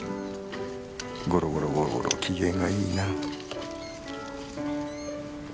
ゴロゴロゴロゴロ機嫌がいいな。